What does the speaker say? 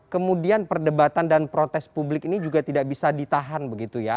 kemudian perdebatan dan protes publik ini juga tidak bisa ditahan begitu ya